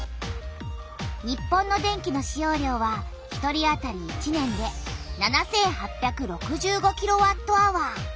日本の電気の使用量は１人あたり１年で７８６５キロワットアワー。